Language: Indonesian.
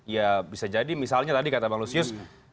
ya bisa jadi misalnya tadi kata bang lusius